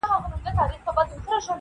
• درس د میني راکه بیا همدم راکه..